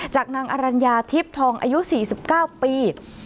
นางอรัญญาทิพย์ทองอายุ๔๙ปี